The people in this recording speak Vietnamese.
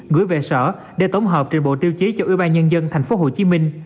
gửi về sở để tổng hợp trên bộ tiêu chí cho tp hcm